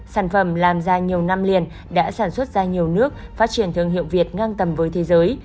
sản phẩm làm ra nhiều năm liền đã sản xuất ra nhiều nước phát triển thương hiệu việt ngang tầm với thế giới